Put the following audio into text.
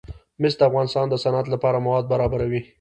مس د افغانستان د صنعت لپاره مواد برابروي.